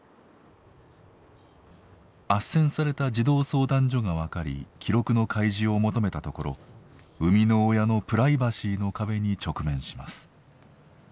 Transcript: あっせんされた児童相談所が分かり記録の開示を求めたところ生みの親のプライバシーの壁に直面します。